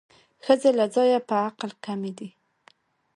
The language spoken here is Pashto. ښځې له ځایه په عقل کمې دي